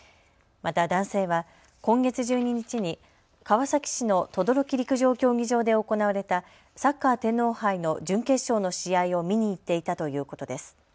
また男性は今月１２日に川崎市の等々力陸上競技場で行われたサッカー天皇杯の準決勝の試合を見に行っていたということです。